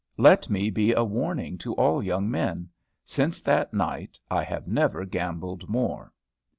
Let me be a warning to all young men. Since that night, I have never gambled more.